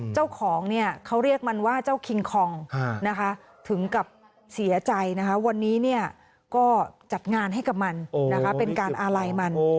เจ้าของเนี่ยเขาเรียกมันว่าเจ้าคิงคองถึงกับเสียใจนะคะวันนี้ก็จัดงานให้กับมันเป็นการอาลัยมัน